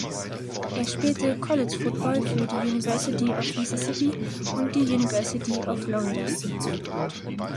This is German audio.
Er spielte College Football für die University of Mississippi und die University of Florida.